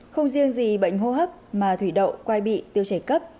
không riêng gì bệnh hô hấp mà thủy đậu quay bị tiêu chảy cấp